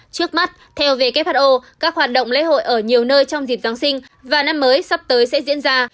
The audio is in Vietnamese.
trước mắt theo who các hoạt động lễ hội ở nhiều nơi trong dịp giáng sinh và năm mới sắp tới sẽ diễn ra